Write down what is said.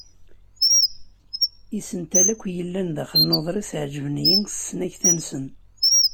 Isental akk yellan daxel n uḍris ɛejven-iyi s tesnakta-nsen.